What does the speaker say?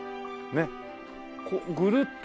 ねっ。